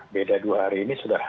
beda dua hari ini sudah